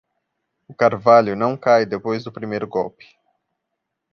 O carvalho não cai depois do primeiro golpe.